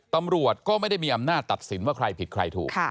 ตำรวจก็ไม่ได้มีอำนาจตัดสินว่าใครผิดใครถูก